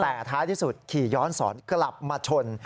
แต่ท้ายที่สุดขี่ย้อนสอนกลับมาชน